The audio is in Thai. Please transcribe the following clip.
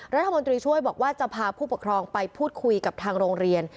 รัฐมนตรีช่วยบอกว่าจะพาผู้ปกครองไปพูดคุยกับทางโรงเรียน